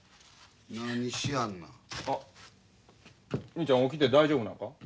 兄ちゃん起きて大丈夫なんか？